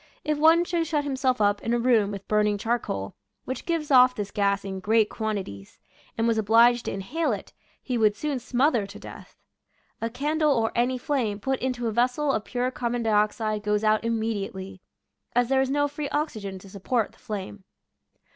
If one should shut himself up in a room with burning charcoal, which gives off this gas in great quantities, and was obliged to inhale it, he would soon smother to death. A candle or any flame put into a vessel of pure carbon dioxide goes out immedi ately, as there is no free oxygen to support the flame.